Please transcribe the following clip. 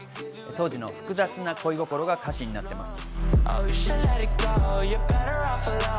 当時の複雑な恋心が歌詞になっています。